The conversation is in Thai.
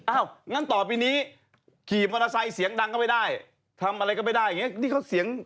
งั้นต่อไปนี้ขี่มอเตอร์ไซค์เสียงดังก็ไม่ได้ทำอะไรก็ไม่ได้อย่างนี้ที่เขาเสียง